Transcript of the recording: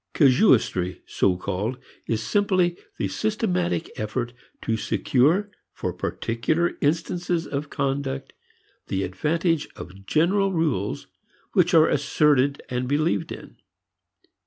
Casuistry, so called, is simply the systematic effort to secure for particular instances of conduct the advantage of general rules which are asserted and believed in.